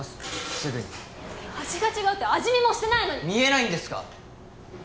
すぐに味が違うって味見もしてないのに見えないんですか？